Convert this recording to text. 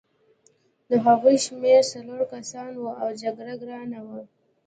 د هغوی شمېر څلور کسان وو او جګړه ګرانه وه